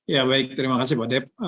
ya baik terima kasih mbak dep